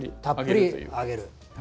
たっぷりあげる。